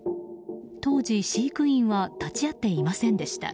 当時、飼育員は立ち会っていませんでした。